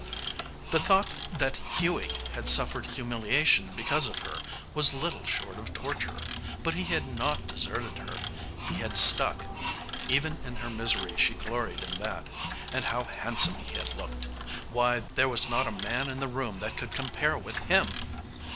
The thought that Hughie had suffered humiliation because of her was little short of torture. But he had not deserted her he had stuck even in her misery she gloried in that and how handsome he had looked! Why, there was not a man in the room that could compare with him!